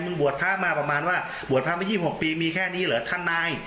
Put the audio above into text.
บวชพระมาประมาณว่าบวชพระมา๒๖ปีมีแค่นี้เหรอท่านนาย